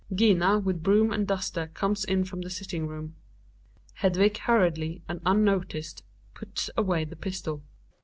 GiNA with broom and duster comes in from the sitting room. Hedvig hurriedly and unnoticed puts away the pistol.